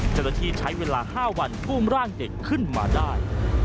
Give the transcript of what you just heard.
เฉพาะที่ใช้เวลาห้าวันกล้มร่างเด็กขึ้นมาได้